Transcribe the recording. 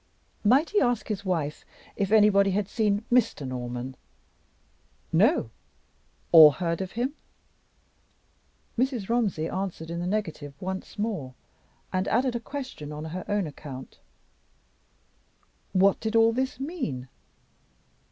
Might he ask his wife if anybody had seen Mr. Norman? "No." "Or heard of him?" Mrs. Romsey answered in the negative once more, and added a question on her own account. What did all this mean?